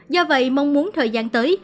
do vậy mong muốn thời gian tới